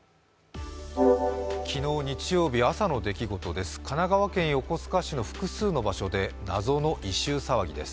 昨日日曜日朝の出来事です。